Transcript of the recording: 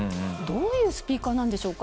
どういうスピーカーなんでしょうか？